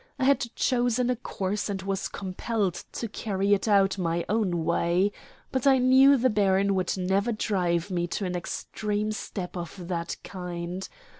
I had chosen a course and was compelled to carry it out my own way. But I knew the baron would never drive me to an extreme step of that kind.